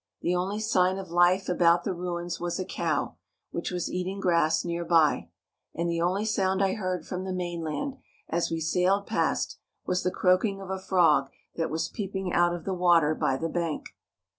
The only sign of life about the ruins was a cow, which was eating grass near by; and the only sound I heard from the mainland, as we sailed past, was the croaking of a frog that was peeping out of the water by the bank.